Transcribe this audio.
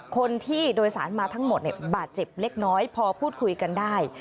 ผู้โดยสารมาทั้งหมดบาดเจ็บเล็กน้อยพอพูดคุยกันได้